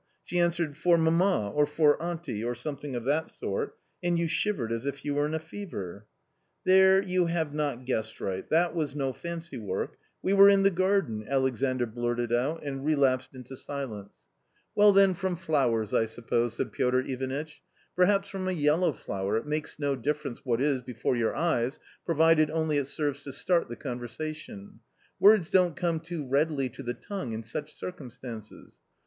She answered, ' For mamma or for auntie,' or something of that sort, and you shivered as if you were in a fever." "There you have not guessed right ; that was no fancy work ; we were in the garden," Alexandr blurted out and relapsed into silence. A COMMON STORY 71 " Well, then, from flowers, I suppose," said Piotr Ivanitch ;" perhaps from a yellow flower, it makes no difference what is before your eyes provided only it serves to start the con versation ; words don't come too readily to the tongue in such circumstances.